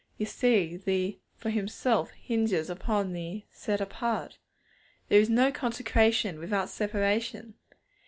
You see, the 'for Himself' hinges upon the 'set apart.' There is no consecration without separation.